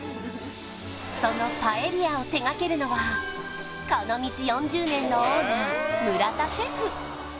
そのパエリアを手がけるのはこの道４０年のオーナー村田シェフ